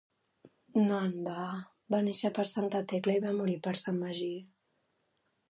No en va, va néixer per Santa Tecla i va morir per Sant Magí.